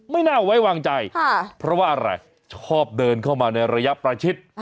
ไม่น่าไว้วางใจเพราะว่าอะไรชอบเดินเข้ามาในระยะประชิด